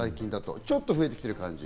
ちょっと増えてきてる感じ。